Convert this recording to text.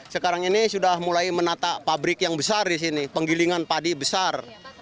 sekarang ini sudah mulai menata pabrik yang besar di sini penggilingan padi besar